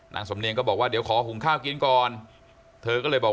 นางสำเนียงก็บอกว่าเดี๋ยวขอหุงข้าวกินก่อนเธอก็เลยบอก